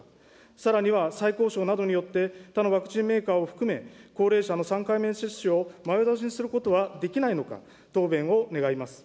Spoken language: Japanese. さらには、再交渉などによって、他のワクチンメーカーを含め、高齢者の３回目接種を前倒しにすることはできないのか、答弁を願います。